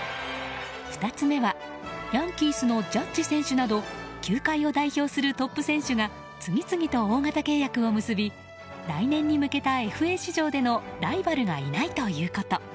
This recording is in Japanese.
２つ目はヤンキースのジャッジ選手など球界を代表するトップ選手が次々と大型契約を結び来年に向けたＦＡ市場でのライバルがいないということ。